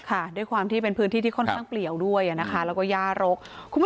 ด้วยความที่เป็นพื้นที่ที่ค่อนข้างเปลี่ยวด้วยนะคะแล้วก็ย่ารกคุณผู้ชม